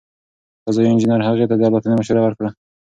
فضايي انجنیر هغې ته د الوتنې مشوره ورکړه.